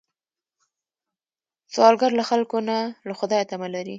سوالګر له خلکو نه، له خدایه تمه لري